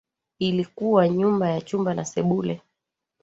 Ilikuwa nyumba ya chumba na sebule